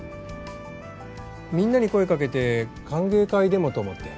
みんなに声かけて歓迎会でもと思って。